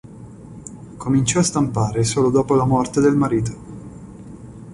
Cominciò a stampare solo dopo la morte del marito.